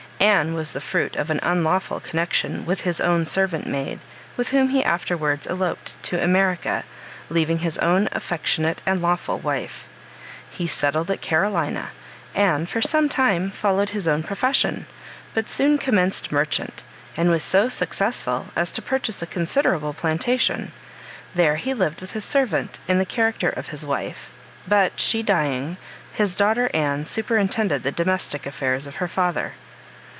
Anne was the fruit of an unlawful connexion with his own servant maid, with whom he afterwards eloped to America, leaving his own affectionate and lawful wife. He settled at Carolina, and for some time followed his own profession; but soon commenced merchant, and was so successful as to purchase a considerable plantation. There he lived with his servant in the character of his wife; but she dying, his daughter Anne superintended the domestic affairs of her father.